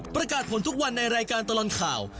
ประกาศผลทุกวันในรายการตลอดข่าว